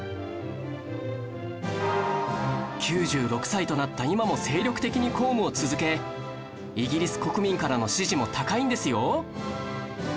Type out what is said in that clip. ９６歳となった今も精力的に公務を続けイギリス国民からの支持も高いんですよ